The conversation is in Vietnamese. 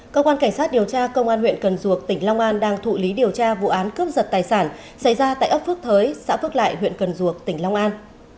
cơ quan cảnh sát điều tra công an huyện cần duộc tỉnh long an đang thụ lý điều tra vụ án cướp giật tài sản xảy ra tại ấp phước thới xã phước lại huyện cần duộc tỉnh long an